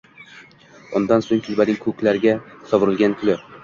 Undan so’ng kulbaning ko’klarga sovrilgan kuli